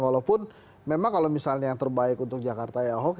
walaupun memang kalau misalnya yang terbaik untuk jakarta ya ahok